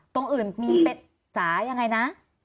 ตรงอื่นมีเป็นจ๋ายังไงนะ